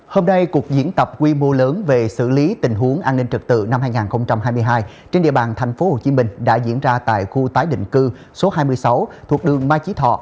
hôm nay cuộc diễn tập quy mô lớn về xử lý tình huống an ninh trật tự năm hai nghìn hai mươi hai trên địa bàn tp hcm đã diễn ra tại khu tái định cư số hai mươi sáu thuộc đường mai chí thọ